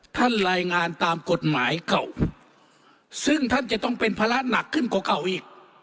ท่านรายงานตามกฎหมายเก่าซึ่งท่านจะต้องเป็นภาระหนักขึ้นกว่าเก่าอีก